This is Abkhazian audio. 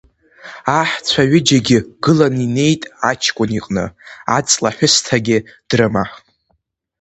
Аҳцәа аҩыџьагьы гыланы инеит аҷкәын иҟны, аҵлаҳәысҭагьы дрыма.